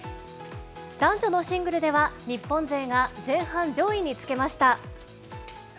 男女のシングルでは、日本勢が前半、上位につけました。